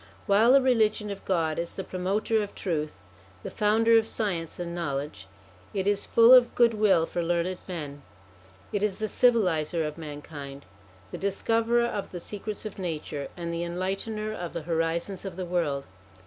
While the Religion of God is the promoter of truth, the founder of science and knowledge, it is full of goodwill for learned men ; it is the civiliser of mankind, the discoverer of the secrets of nature, and the enlightener of the horizons of the world.